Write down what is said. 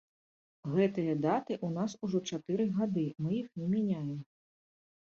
Гэтыя даты ў нас ужо чатыры гады, мы іх не мяняем.